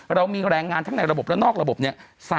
เรามีแรงงานทั้งในระบบและนอกระบบเนี่ย